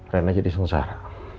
rena jadi sengsara